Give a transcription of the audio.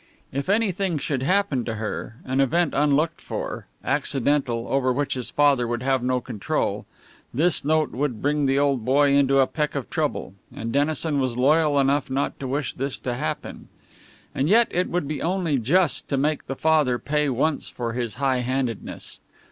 If anything should happen to her an event unlooked for, accidental, over which his father would have no control this note would bring the old boy into a peck of trouble; and Dennison was loyal enough not to wish this to happen. And yet it would be only just to make the father pay once for his high handedness.